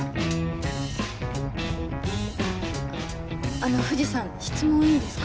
あの藤さん質問いいですか？